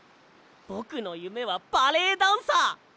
ぼくのゆめはバレエダンサー。